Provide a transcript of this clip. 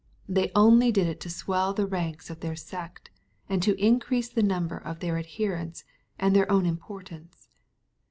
They only did it to swell the ranks of their sect, and to increase the number of their adherents, and their own importance.